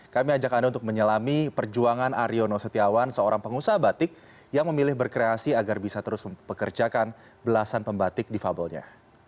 kami ajak anda untuk menyelami perjuangan aryono setiawan seorang pengusaha batik yang memilih berkreasi agar bisa terus mempekerjakan belasan pembatik di fabelnya